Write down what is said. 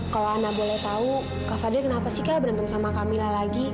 kalau anda boleh tahu kak fadil kenapa sih kak berantem sama camilla lagi